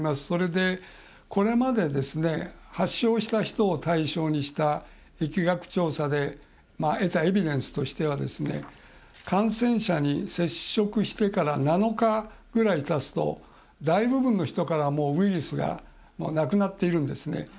それで、これまで発症した人を対象にした疫学調査で得たエビデンスとして感染者に接触してから７日ぐらいたつと大部分の人からウイルスがなくなっているんですね。